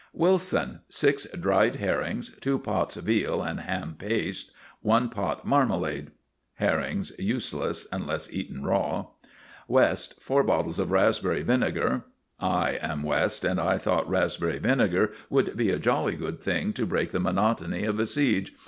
WILSON. Six dried herrings, two pots veal and ham paste, one pot marmalade. (Herrings useless, unless eaten raw.) WEST. Four bottles raspberry vinegar. (I am West, and I thought raspberry vinegar would be a jolly good thing to break the monotony of a siege.